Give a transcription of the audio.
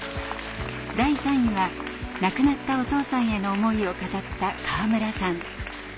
第３位は亡くなったお父さんへの思いを語った河村さん。